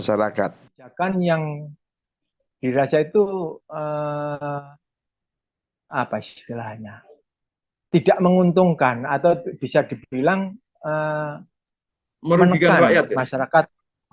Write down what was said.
yang keterangan dirasa itu tidak menguntungkan atau bisa dibilang menekan masyarakat